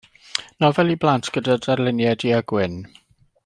Nofel i blant gyda darluniau du-a-gwyn.